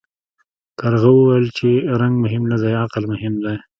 کارغه وویل چې رنګ مهم نه دی عقل مهم دی.